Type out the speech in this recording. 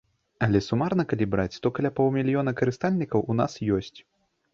Але сумарна калі браць, то каля паўмільёна карыстальнікаў у нас ёсць.